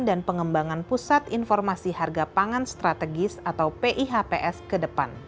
dan pengembangan pusat informasi harga pangan strategis atau pihps ke depan